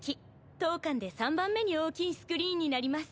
当館で３番目に大きいスクリーンになります。